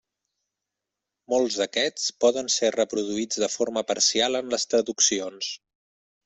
Molts d'aquests poden ser reproduïts de forma parcial en les traduccions.